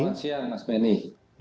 selamat siang mas manny